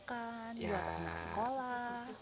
buat ikut sekolah